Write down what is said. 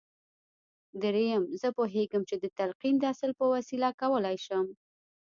درېيم زه پوهېږم چې د تلقين د اصل په وسيله کولای شم.